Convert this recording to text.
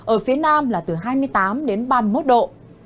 ở phía nam là từ hai mươi tám đến ba mươi một độ